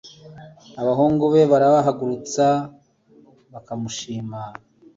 Abahungu be burabahagurutsa bakamushima